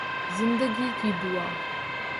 زندگی کی دعا